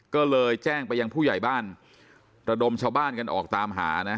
ก็เลยแจ้งไปยังผู้ใหญ่บ้านระดมชาวบ้านกันออกตามหานะ